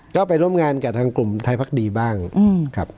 ก็ไปร่วมงานกับทางกลุ่มไทยพักดีบ้างครับ